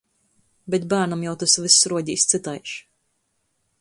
Bet bārnam jau tys vyss ruodīs cytaiž.